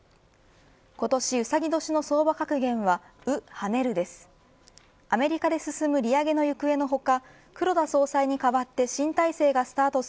今年うさぎ年の相場格言は卯跳ねるです。